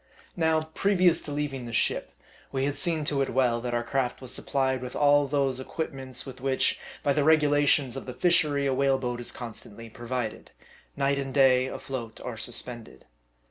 Now, previous to leaving the ship, we had seen to it well, that our craft was supplied with all those equipments, with which, by the regulations of the fishery, a whale boat is constantly provided : night and day, afloat or suspended.